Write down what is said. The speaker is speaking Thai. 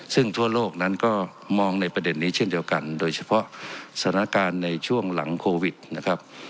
ซึ่งทั่วโลกนั้นก็มองในประเด็นนี้เช่นเดียวกันโดยเฉพาะสถานการณ์ในช่วงหลังโควิดนะครับ